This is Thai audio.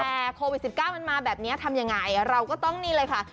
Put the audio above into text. แต่โควิด๑๙มันมาแบบนี้ทำยังไงเราก็ต้องนี่เลยค่ะ